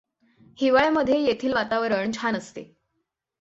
हिवाळ्यामध्ये येथील वातावरण छान असते.